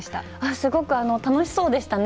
すごく楽しそうでしたね。